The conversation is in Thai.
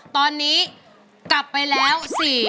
ตอนนี้กลับไปแล้ว